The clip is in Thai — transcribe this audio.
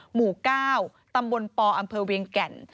หมู่๙ตำบลปอำเภอเวียงแก่น